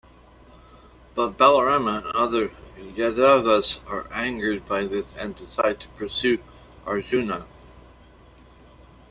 But Balarama and other Yadavas are angered by this and decide to pursue Arjuna.